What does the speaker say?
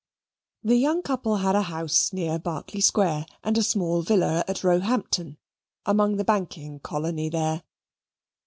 The young couple had a house near Berkeley Square and a small villa at Roehampton, among the banking colony there.